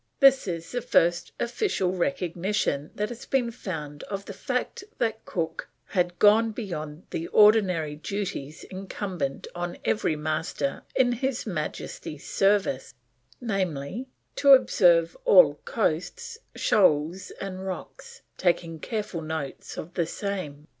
This is the first official recognition that has been found of the fact that Cook had gone beyond the ordinary duties incumbent on every Master in His Majesty's Service, namely: "To observe all coasts, shoals, and rocks, taking careful notes of the same."